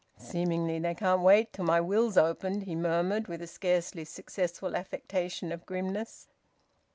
"Seemingly they can't wait till my will's opened!" he murmured, with a scarcely successful affectation of grimness.